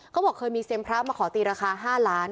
บอกเคยมีเซียมพระมาขอตีราคา๕ล้าน